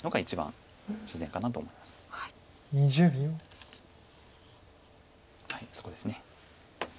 はいそこです。